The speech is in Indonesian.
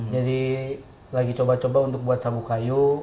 jadi lagi coba coba untuk buat sabu kayu